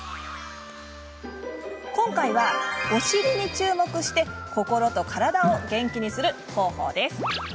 今回は、お尻に注目して心と体を元気にする方法です。